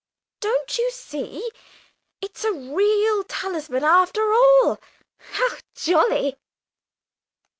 Don't you see? It's a real talisman after all! How jolly!"